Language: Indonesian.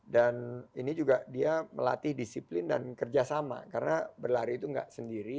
dan ini juga dia melatih disiplin dan kerjasama karena berlari itu gak sendiri